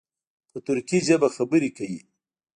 په ترکي ژبه خبرې کوي.